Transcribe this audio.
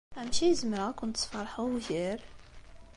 Amek ay zemreɣ ad kent-sfeṛḥeɣ ugar?